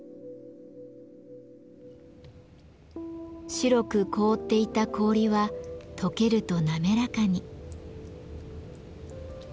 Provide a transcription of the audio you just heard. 白く凍っていた氷はとけると滑らかに。